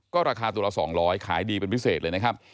ก็ราคาตัวละ๒๐๐ขายดีเป็นพิเศษเลยนะครับ